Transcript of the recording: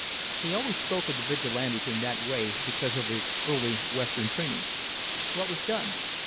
He always spoke of the Vigilantes in that way, because of his early Western training. "What was done?"